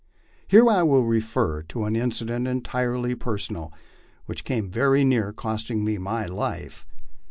Here I will refer to an incident entirely personal, which came very near costing me my life.